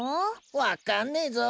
わっかんねえぞ。